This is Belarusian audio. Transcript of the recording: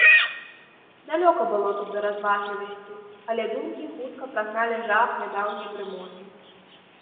Далёка было тут да разважлівасці, але думкі хутка прагналі жах нядаўняй дрымоты.